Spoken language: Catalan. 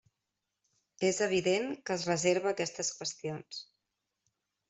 És evident que es reserva aquestes qüestions.